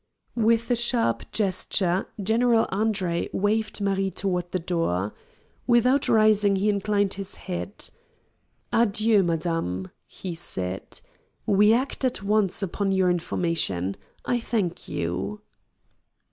With a sharp gesture General Andre waved Marie toward the door. Without rising, he inclined his head. "Adieu, madame," he said. "We act at once upon your information. I thank you!"